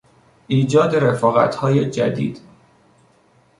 ایجاد رفاقتهای جدید